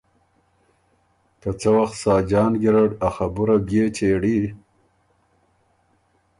که څه وخت ساجان ګیرډ ا خبُره بيې چېړی۔